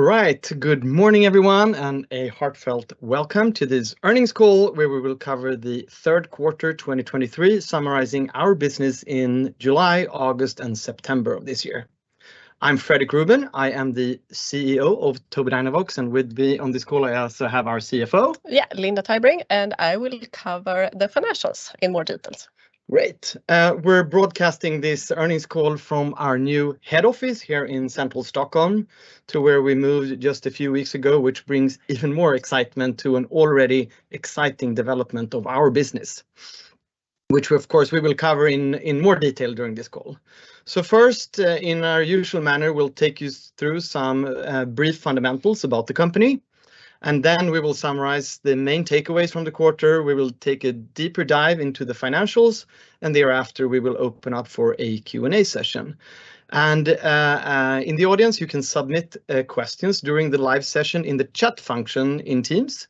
All right. Good morning, everyone, and a heartfelt welcome to this earnings call, where we will cover the third quarter 2023, summarizing our business in July, August, and September of this year. I'm Fredrik Ruben. I am the CEO of Tobii Dynavox, and with me on this call, I also have our CFO. Yeah, Linda Tybring, and I will cover the financials in more details. Great. We're broadcasting this earnings call from our new head office here in central Stockholm, to where we moved just a few weeks ago, which brings even more excitement to an already exciting development of our business, which, of course, we will cover in more detail during this call. So first, in our usual manner, we'll take you through some brief fundamentals about the company, and then we will summarize the main takeaways from the quarter. We will take a deeper dive into the financials, and thereafter, we will open up for a Q&A session. In the audience, you can submit questions during the live session in the chat function in Teams.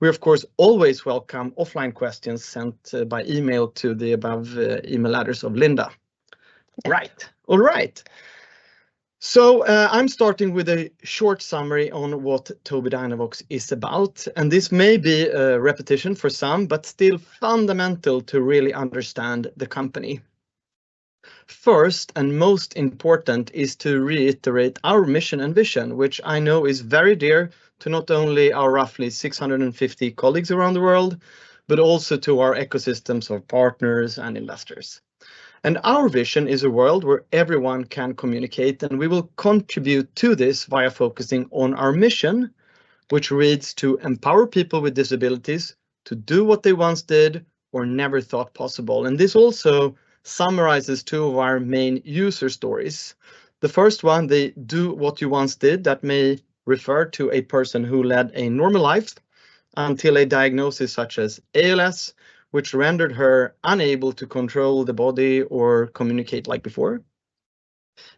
We, of course, always welcome offline questions sent by email to the above email address of Linda. Yeah. Right. All right. So, I'm starting with a short summary on what Tobii Dynavox is about, and this may be a repetition for some, but still fundamental to really understand the company. First, and most important, is to reiterate our mission and vision, which I know is very dear to not only our roughly 650 colleagues around the world, but also to our ecosystems of partners and investors. And our vision is a world where everyone can communicate, and we will contribute to this via focusing on our mission, which reads, "To empower people with disabilities to do what they once did or never thought possible." And this also summarizes two of our main user stories. The first one, the do what you once did, that may refer to a person who led a normal life until a diagnosis, such as ALS, which rendered her unable to control the body or communicate like before.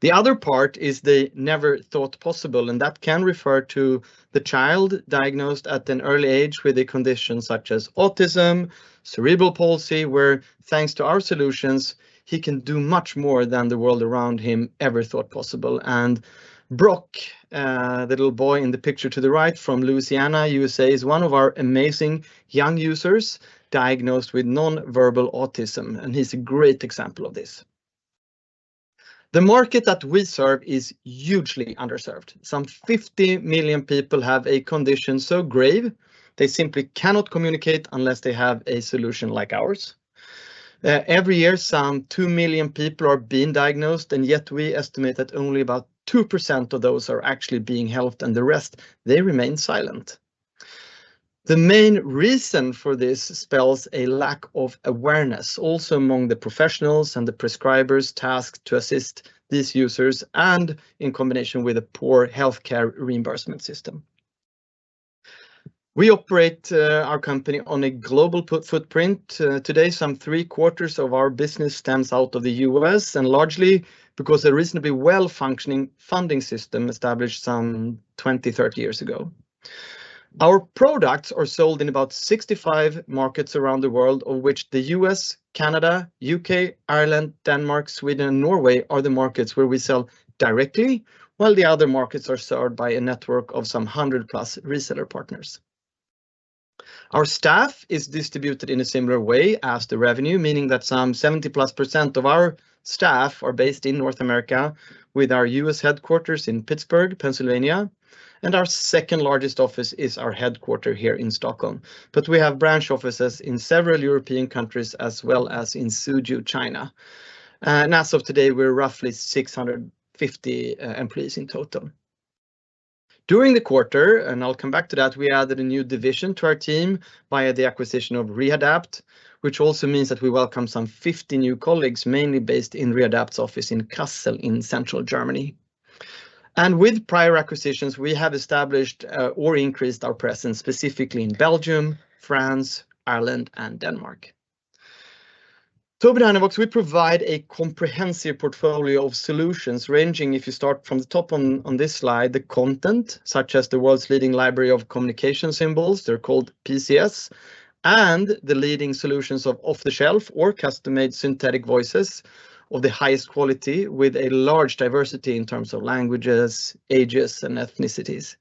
The other part is the never thought possible, and that can refer to the child diagnosed at an early age with a condition such as autism, cerebral palsy, where, thanks to our solutions, he can do much more than the world around him ever thought possible. And Brock, the little boy in the picture to the right, from Louisiana, USA, is one of our amazing young users diagnosed with non-verbal autism, and he's a great example of this. The market that we serve is hugely underserved. Some 50 million people have a condition so grave they simply cannot communicate unless they have a solution like ours. Every year, some two million people are being diagnosed, and yet we estimate that only about 2% of those are actually being helped, and the rest, they remain silent. The main reason for this is a lack of awareness, also among the professionals and the prescribers tasked to assist these users and in combination with a poor healthcare reimbursement system. We operate our company on a global footprint. Today, some three-quarters of our business stems out of the US, and largely because a reasonably well-functioning funding system established some 20, 30 years ago. Our products are sold in about 65 markets around the world, of which the US, Canada, UK, Ireland, Denmark, Sweden, and Norway are the markets where we sell directly, while the other markets are served by a network of some 100-plus reseller partners. Our staff is distributed in a similar way as the revenue, meaning that some 70+% of our staff are based in North America with our U.S. headquarters in Pittsburgh, Pennsylvania, and our second-largest office is our headquarters here in Stockholm. But we have branch offices in several European countries, as well as in Suzhou, China. And as of today, we're roughly 650 employees in total. During the quarter, and I'll come back to that, we added a new division to our team via the acquisition of Rehadapt, which also means that we welcome some 50 new colleagues, mainly based in Rehadapt's office in Kassel, in central Germany. And with prior acquisitions, we have established or increased our presence, specifically in Belgium, France, Ireland, and Denmark. Tobii Dynavox, we provide a comprehensive portfolio of solutions ranging, if you start from the top on, on this slide, the content, such as the world's leading library of communication symbols, they're called PCS, and the leading solutions of off-the-shelf or custom-made synthetic voices of the highest quality, with a large diversity in terms of languages, ages, and ethnicities.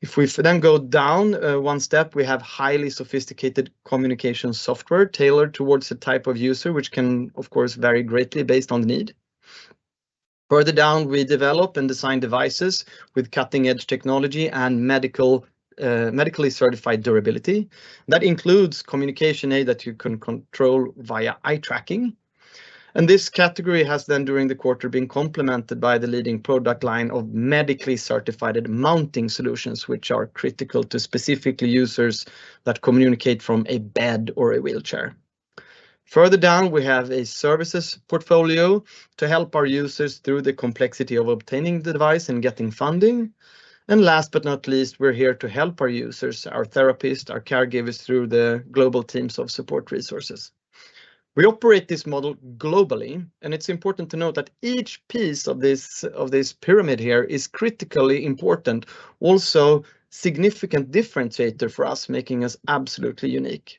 If we then go down, one step, we have highly sophisticated communication software tailored towards the type of user, which can, of course, vary greatly based on need. Further down, we develop and design devices with cutting-edge technology and medical, medically certified durability. That includes communication aid that you can control via eye tracking, and this category has then, during the quarter, been complemented by the leading product line of medically certified mounting solutions, which are critical to specifically users that communicate from a bed or a wheelchair. Further down, we have a services portfolio to help our users through the complexity of obtaining the device and getting funding. Last but not least, we're here to help our users, our therapists, our caregivers, through the global teams of support resources. We operate this model globally, and it's important to note that each piece of this, of this pyramid here is critically important, also significant differentiator for us, making us absolutely unique.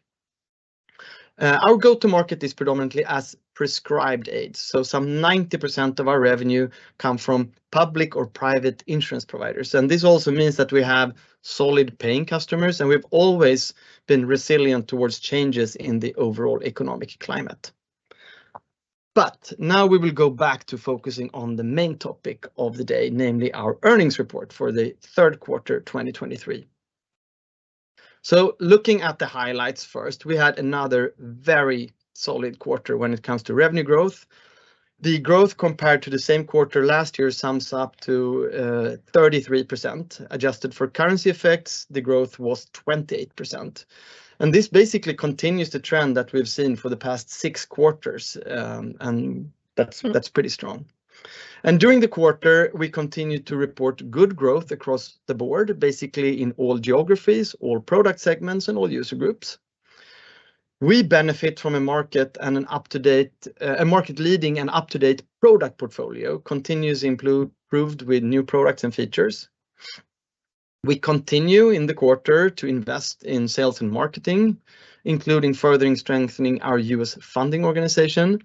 Our go-to-market is predominantly as prescribed aids, so some 90% of our revenue come from public or private insurance providers, and this also means that we have solid paying customers, and we've always been resilient towards changes in the overall economic climate. But now we will go back to focusing on the main topic of the day, namely, our earnings report for the third quarter, 2023. So looking at the highlights first, we had another very solid quarter when it comes to revenue growth. The growth compared to the same quarter last year sums up to 33%. Adjusted for currency effects, the growth was 28%, and this basically continues the trend that we've seen for the past six quarters, and that's pretty strong. During the quarter, we continued to report good growth across the board, basically in all geographies, all product segments, and all user groups. We benefit from a market and an up-to-date, a market-leading and up-to-date product portfolio, continuously improved with new products and features. We continue, in the quarter, to invest in sales and marketing, including furthering strengthening our U.S. funding organization,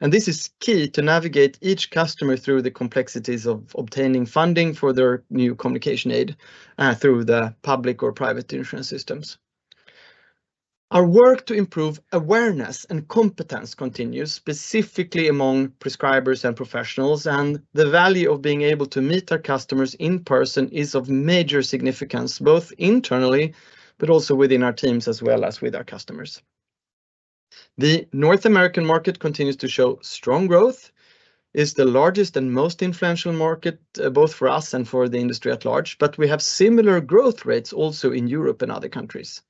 and this is key to navigate each customer through the complexities of obtaining funding for their new communication aid through the public or private insurance systems. Our work to improve awareness and competence continues, specifically among prescribers and professionals, and the value of being able to meet our customers in person is of major significance, both internally, but also within our teams, as well as with our customers. The North American market continues to show strong growth. It's the largest and most influential market, both for us and for the industry at large, but we have similar growth rates also in Europe and other countries.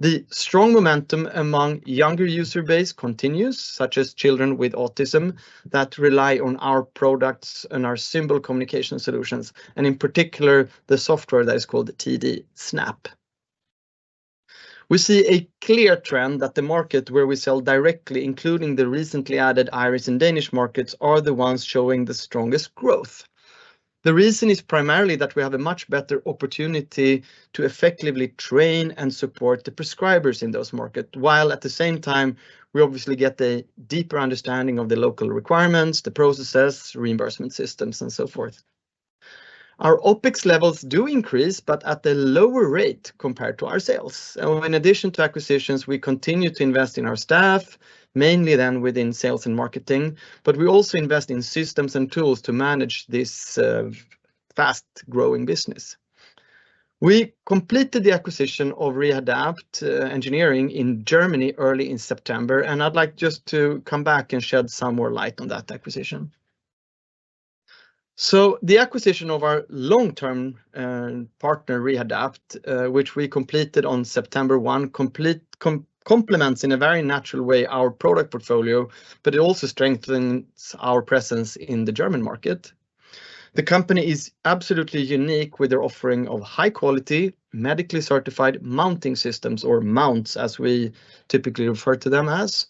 The strong momentum among younger user base continues, such as children with autism, that rely on our products and our simple communication solutions, and in particular, the software that is called the TD Snap. We see a clear trend that the market where we sell directly, including the recently added Irish and Danish markets, are the ones showing the strongest growth. The reason is primarily that we have a much better opportunity to effectively train and support the prescribers in those market, while at the same time, we obviously get a deeper understanding of the local requirements, the processes, reimbursement systems, and so forth. Our OpEx levels do increase, but at a lower rate compared to our sales. In addition to acquisitions, we continue to invest in our staff, mainly then within sales and marketing, but we also invest in systems and tools to manage this, fast-growing business. We completed the acquisition of Rehadapt Engineering in Germany early in September, and I'd like just to come back and shed some more light on that acquisition. So the acquisition of our long-term partner, Rehadapt, which we completed on September 1, complements in a very natural way our product portfolio, but it also strengthens our presence in the German market. The company is absolutely unique with their offering of high quality, medically certified mounting systems, or mounts, as we typically refer to them as.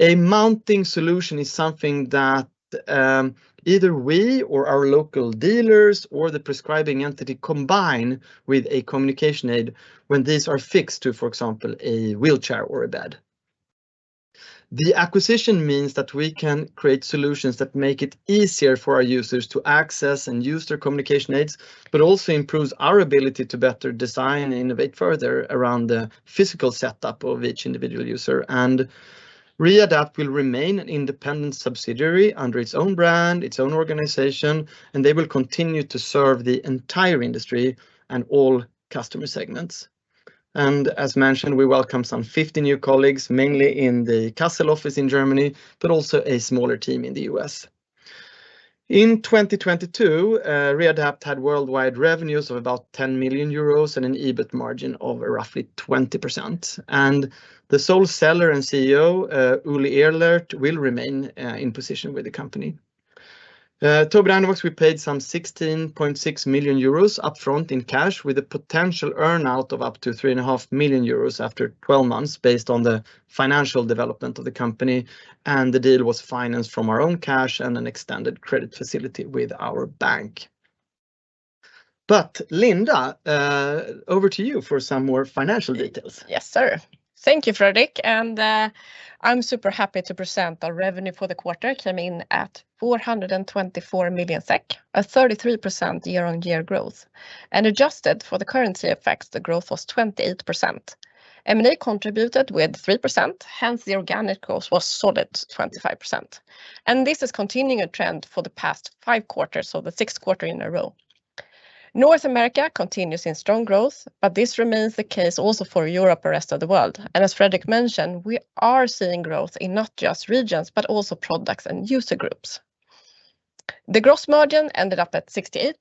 A mounting solution is something that either we or our local dealers or the prescribing entity combine with a communication aid when these are fixed to, for example, a wheelchair or a bed. The acquisition means that we can create solutions that make it easier for our users to access and use their communication aids, but also improves our ability to better design and innovate further around the physical setup of each individual user. Rehadapt will remain an independent subsidiary under its own brand, its own organization, and they will continue to serve the entire industry and all customer segments. As mentioned, we welcome some 50 new colleagues, mainly in the Kassel office in Germany, but also a smaller team in the US. In 2022, Rehadapt had worldwide revenues of about 10 million euros and an EBIT margin of roughly 20%, and the sole seller and CEO, Uli Ehlert, will remain, in position with the company. Tobii Dynavox, we paid some 16.6 million euros upfront in cash, with a potential earn-out of up to 3.5 million euros after 12 months, based on the financial development of the company, and the deal was financed from our own cash and an extended credit facility with our bank. But Linda, over to you for some more financial details. Yes, sir. Thank you, Fredrik, and I'm super happy to present our revenue for the quarter, came in at 424 million SEK, a 33% year-on-year growth, and adjusted for the currency effects, the growth was 28%. M&A contributed with 3%, hence the organic growth was solid, 25%, and this is continuing a trend for the past five quarters, so the sixth quarter in a row. North America continues in strong growth, but this remains the case also for Europe and rest of the world, and as Fredrik mentioned, we are seeing growth in not just regions, but also products and user groups. The gross margin ended up at 68%.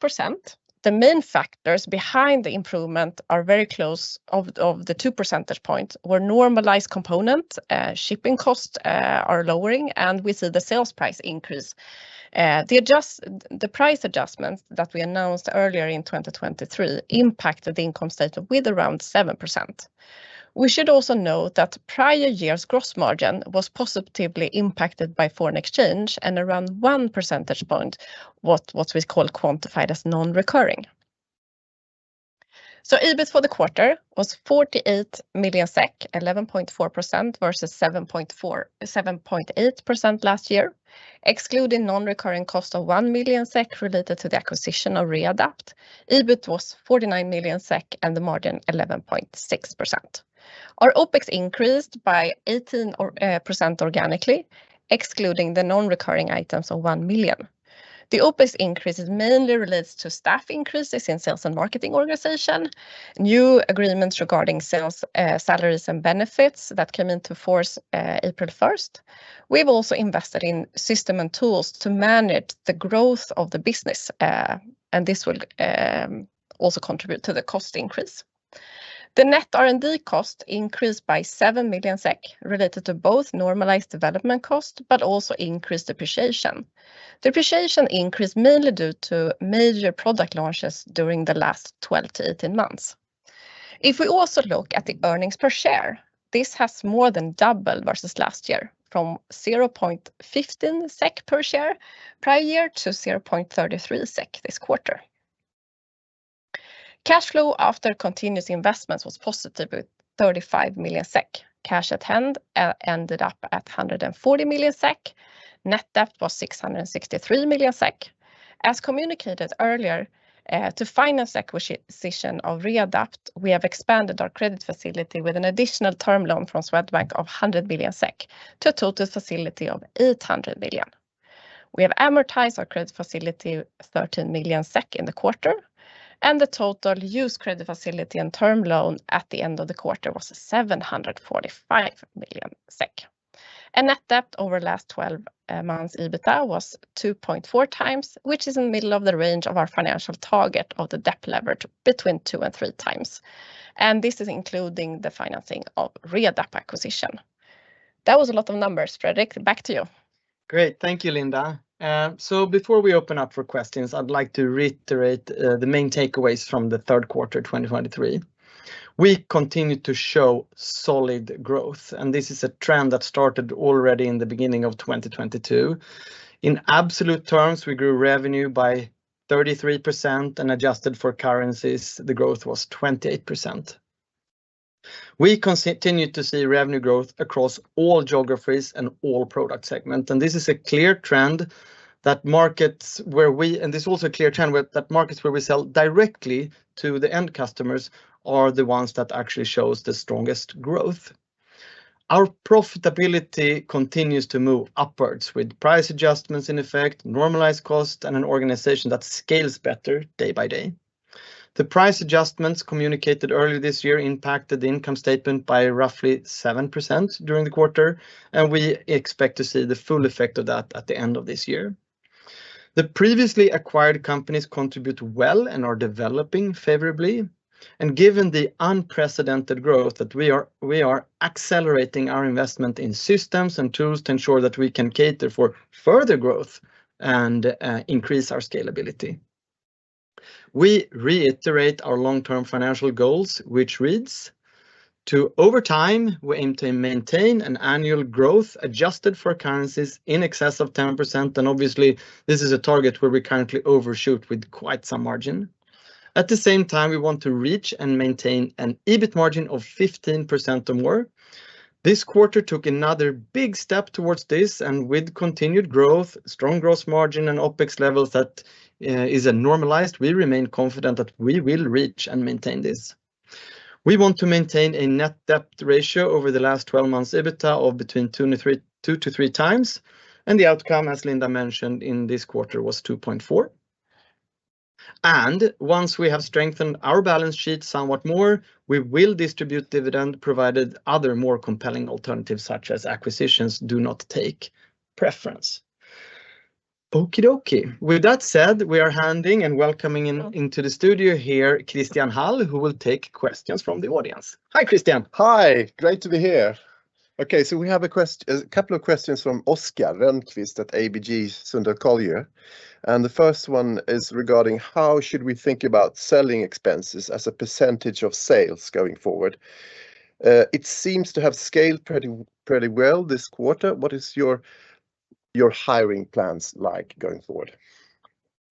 The main factors behind the improvement are very close to the two percentage points, where normalized component shipping costs are lowering, and we see the sales price increase. The price adjustments that we announced earlier in 2023 impacted the income statement with around 7%. We should also note that prior year's gross margin was positively impacted by foreign exchange and around 1 percentage point, what we call quantified as non-recurring. So EBIT for the quarter was 48 million SEK, 11.4% versus 7.4%-7.8% last year, excluding non-recurring cost of 1 million SEK related to the acquisition of Rehadapt. EBIT was 49 million SEK, and the margin 11.6%. Our OpEx increased by 18% organically, excluding the non-recurring items of 1 million. The OpEx increase is mainly relates to staff increases in sales and marketing organization, new agreements regarding sales, salaries, and benefits that came into force, April first. We've also invested in system and tools to manage the growth of the business, and this will also contribute to the cost increase. The net R&D cost increased by 7 million SEK, related to both normalized development cost, but also increased depreciation. Depreciation increased mainly due to major product launches during the last 12-18 months. If we also look at the earnings per share, this has more than doubled versus last year from 0.15 SEK per share prior year to 0.33 SEK this quarter. Cash flow after continuous investments was positive, with 35 million SEK. Cash at hand ended up at 140 million SEK. Net debt was 663 million SEK. As communicated earlier, to finance acquisition of Rehadapt, we have expanded our credit facility with an additional term loan from Swedbank of 100 million SEK, to a total facility of 800 million. We have amortized our credit facility, 13 million SEK in the quarter, and the total used credit facility and term loan at the end of the quarter was 745 million SEK. Net debt over last 12 months EBITDA was 2.4x, which is in the middle of the range of our financial target of the debt leverage between 2-3x, and this is including the financing of Rehadapt acquisition. That was a lot of numbers, Fredrik. Back to you. Great. Thank you, Linda. So before we open up for questions, I'd like to reiterate the main takeaways from the third quarter, 2023. We continue to show solid growth, and this is a trend that started already in the beginning of 2022. In absolute terms, we grew revenue by 33%, and adjusted for currencies, the growth was 28%. We continue to see revenue growth across all geographies and all product segment, and this is a clear trend that markets where we sell directly to the end customers are the ones that actually shows the strongest growth. Our profitability continues to move upwards, with price adjustments in effect, normalized cost, and an organization that scales better day by day. The price adjustments communicated earlier this year impacted the income statement by roughly 7% during the quarter, and we expect to see the full effect of that at the end of this year. The previously acquired companies contribute well and are developing favorably, and given the unprecedented growth that we are, we are accelerating our investment in systems and tools to ensure that we can cater for further growth and, increase our scalability. We reiterate our long-term financial goals, which reads, "To over time, we aim to maintain an annual growth adjusted for currencies in excess of 10%." And obviously, this is a target where we currently overshoot with quite some margin. At the same time, we want to reach and maintain an EBIT margin of 15% or more. This quarter took another big step towards this, and with continued growth, strong growth margin, and OpEx levels that is normalized, we remain confident that we will reach and maintain this. We want to maintain a net debt ratio over the last 12 months EBITDA of between two and three to two to three times, and the outcome, as Linda mentioned, in this quarter, was 2.4. And once we have strengthened our balance sheet somewhat more, we will distribute dividend, provided other more compelling alternatives, such as acquisitions, do not take preference. Okie dokie. With that said, we are handing and welcoming into the studio here, Christian Hall, who will take questions from the audience. Hi, Christian. Hi, great to be here. Okay, so we have a question, a couple of questions from Oscar Rönnkvist at ABG Sundal Collier, and the first one is regarding: How should we think about selling expenses as a percentage of sales going forward? It seems to have scaled pretty well this quarter. What is your hiring plans like going forward?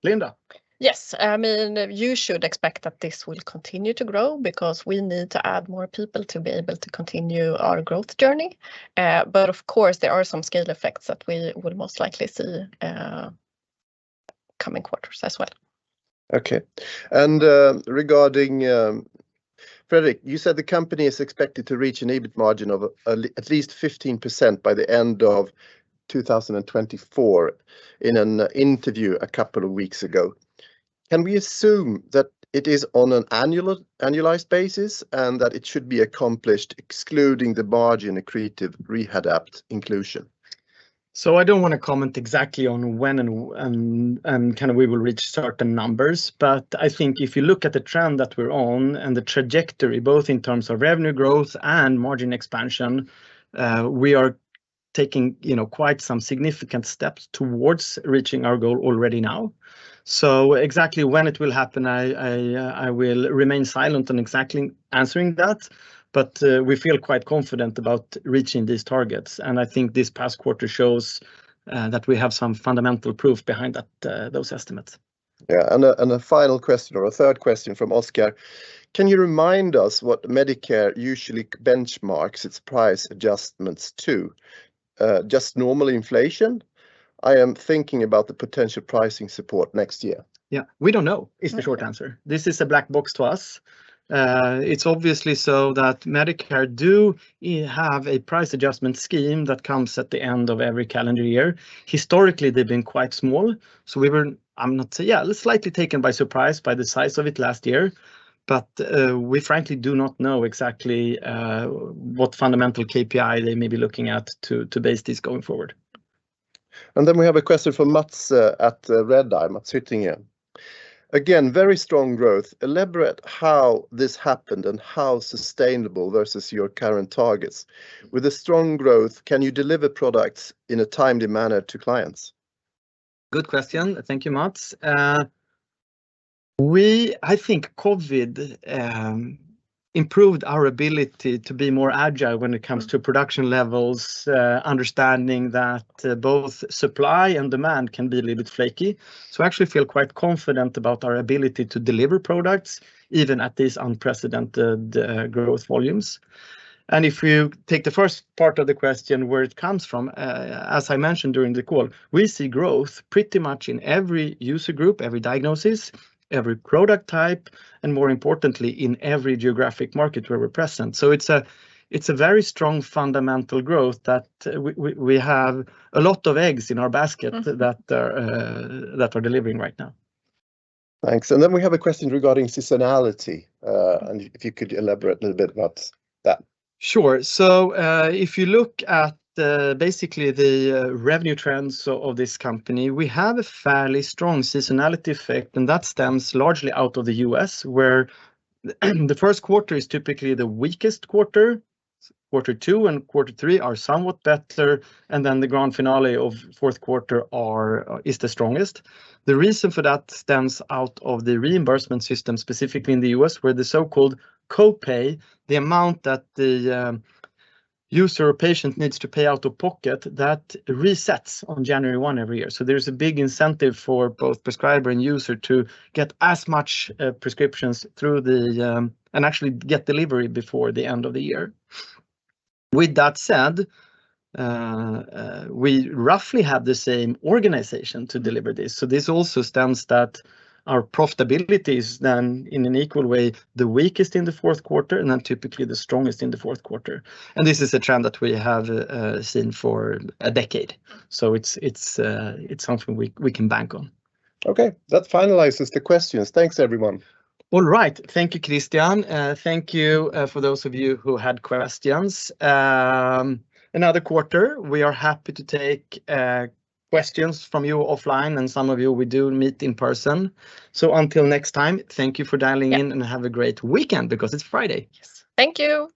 Linda? Yes, I mean, you should expect that this will continue to grow because we need to add more people to be able to continue our growth journey. But of course, there are some scale effects that we will most likely see, coming quarters as well. Okay, regarding Fredrik, you said the company is expected to reach an EBIT margin of at least 15% by the end of 2024 in an interview a couple of weeks ago. Can we assume that it is on an annualized basis, and that it should be accomplished excluding the margin accretive Rehadapt inclusion? So I don't wanna comment exactly on when and kind of we will reach certain numbers. But I think if you look at the trend that we're on and the trajectory, both in terms of revenue growth and margin expansion, we are taking, you know, quite some significant steps towards reaching our goal already now. So exactly when it will happen, I will remain silent on exactly answering that, but we feel quite confident about reaching these targets, and I think this past quarter shows that we have some fundamental proof behind that, those estimates. Yeah, and a final question or a third question from Oscar: "Can you remind us what Medicare usually benchmarks its price adjustments to? Just normal inflation? I am thinking about the potential pricing support next year. Yeah, we don't know- Yeah. Is the short answer. This is a black box to us. It's obviously so that Medicare do have a price adjustment scheme that comes at the end of every calendar year. Historically, they've been quite small, so we were. I'm not so yeah, slightly taken by surprise by the size of it last year, but we frankly do not know exactly what fundamental KPI they may be looking at to base this going forward. Then we have a question from Mats at Redeye, sitting in. "Again, very strong growth. Elaborate how this happened and how sustainable versus your current targets. With the strong growth, can you deliver products in a timely manner to clients? Good question. Thank you, Mats. I think COVID improved our ability to be more agile when it comes to production levels, understanding that both supply and demand can be a little bit flaky. So I actually feel quite confident about our ability to deliver products, even at these unprecedented growth volumes. And if you take the first part of the question, where it comes from, as I mentioned during the call, we see growth pretty much in every user group, every diagnosis, every product type, and more importantly, in every geographic market where we're present. So it's a very strong fundamental growth that we have a lot of eggs in our basket- Mm. -that, that are delivering right now. Thanks. And then we have a question regarding seasonality, and if you could elaborate a little bit about that. Sure. So, if you look at the, basically the, revenue trends of this company, we have a fairly strong seasonality effect, and that stems largely out of the U.S., where the first quarter is typically the weakest quarter. Quarter two and quarter three are somewhat better, and then the grand finale of fourth quarter are, is the strongest. The reason for that stems out of the reimbursement system, specifically in the U.S., where the so-called co-pay, the amount that the, user or patient needs to pay out of pocket, that resets on January 1 every year. So there's a big incentive for both prescriber and user to get as much, prescriptions through the, and actually get delivery before the end of the year. With that said, we roughly have the same organization to deliver this, so this also stems that our profitability is then, in an equal way, the weakest in the fourth quarter and then typically the strongest in the fourth quarter. And this is a trend that we have seen for a decade, so it's something we can bank on. Okay, that finalizes the questions. Thanks, everyone. All right. Thank you, Christian. Thank you for those of you who had questions. Another quarter, we are happy to take questions from you offline, and some of you we do meet in person. So until next time, thank you for dialing in- Yeah -and have a great weekend, because it's Friday. Thank you!